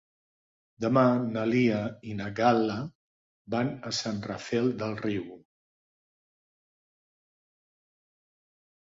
Demà na Lia i na Gal·la van a Sant Rafel del Riu.